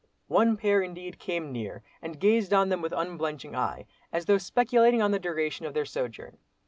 One pair indeed came near and gazed on them with unblenching eye, as though speculating on the duration of their sojourn.